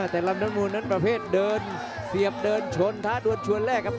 แต่ลำน้ำมูลนั้นประเภทเดินเสียบเดินชนท้าดวนชวนแรกครับ